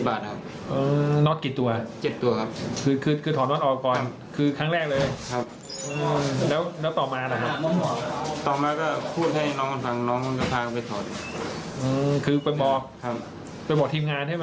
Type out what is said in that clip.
พี่เอาเงินไปทำอะไร